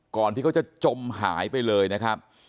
ที่เขาจะจมหายไปเลยนะครับ